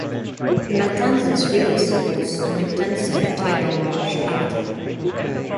The Matanzas River supports an extensive tidal marsh habitat.